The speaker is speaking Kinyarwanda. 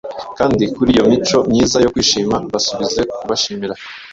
Kandi kuri iyo mico myiza yo kwishima Basubize kubashimira.